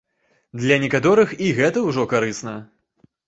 Для некаторых і гэта ўжо карысна.